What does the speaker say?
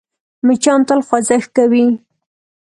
مچان تل خوځښت کې وي